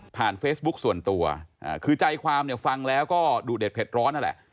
เฟซบุ๊คส่วนตัวคือใจความเนี่ยฟังแล้วก็ดูเด็ดเผ็ดร้อนนั่นแหละ